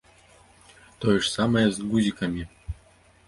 Тое ж самае з гузікамі.